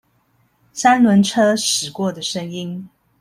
三輪車駛過的聲音